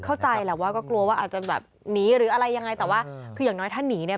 เข้าใจแหละว่าก็กลัวว่าอาจจะแบบหนีหรืออะไรยังไงแต่ว่าคืออย่างน้อยถ้าหนีเนี่ย